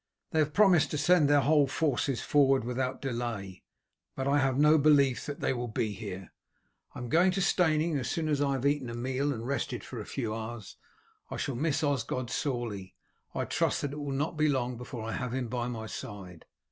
They have promised to send their whole forces forward without delay, but I have no belief that they will be here. I am going to Steyning as soon as I have eaten a meal and rested for a few hours. I shall miss Osgod sorely. I trust that it will not be long before I have him by my side."